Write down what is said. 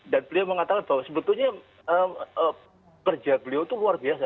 dan beliau mengatakan bahwa sebetulnya kerja beliau itu luar biasa